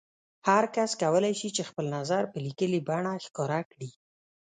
هر کس کولای شي چې خپل نظر په لیکلي بڼه ښکاره کړي.